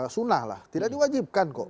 sunnah lah tidak diwajibkan kok